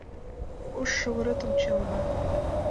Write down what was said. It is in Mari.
Ош шовыретым чиялна;